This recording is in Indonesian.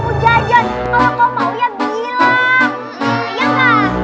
kalau kau maunya bilang